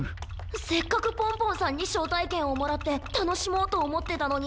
せっかくポンポンさんにしょうたいけんをもらってたのしもうとおもってたのに。